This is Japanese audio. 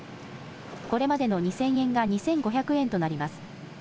これまでの２０００円が２５００円となります。